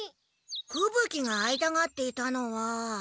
ふぶ鬼が会いたがっていたのは。